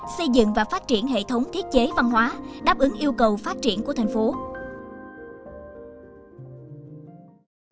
bốn xây dựng và phát triển hệ thống thiết chế văn hóa đáp ứng yêu cầu phát triển của tp hcm